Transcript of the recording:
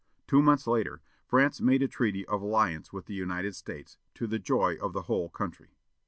Two months later, France made a treaty of alliance with the United States, to the joy of the whole country.